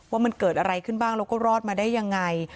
ว่ามันเกิดอะไรขึ้นบ้างแล้วก็รอดมาได้ยังไง